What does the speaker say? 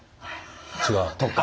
違う？